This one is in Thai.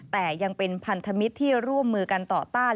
แต่ยังเป็นพันธมิตรที่ร่วมมือกันต่อต้าน